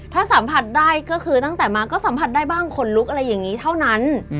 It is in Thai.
ถ้าสัมผัสได้ก็คือตั้งแต่มาก็สัมผัสได้บ้างขนลุกอะไรอย่างนี้เท่านั้น